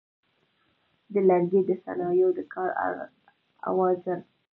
د لرګي د صنایعو د کار اوزار: